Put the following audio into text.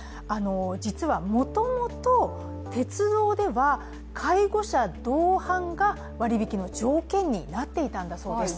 実はもともと鉄道では介護者同伴が割り引きの条件になっていたんだそうです。